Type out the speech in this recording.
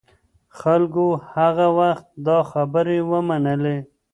خلکو هغه وخت دا خبرې ومنلې.